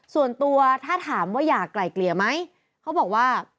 ส่วนตัวถ้าถามว่าอยากไกลเกลี่ยไหมเขาบอกว่า